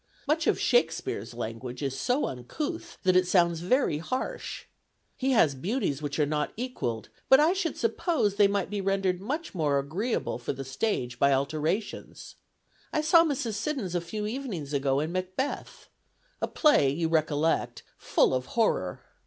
Much of Shakespeare's language is so uncouth that it sounds very harsh. He has beauties which are not equalled; but I should suppose they might be rendered much more agreeable for the stage by alterations. I saw Mrs. Siddons a few evenings ago in 'Macbeth,' a play, you recollect, full of horror.